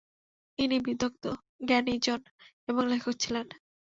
ইনি বিদগ্ধ জ্ঞানীজন এবং লেখক ছিলেন।